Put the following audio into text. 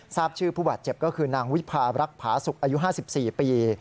ทราบชื่อผู้บาดเจ็บก็คือนางวิพารักผาสุกอายุ๕๔ปี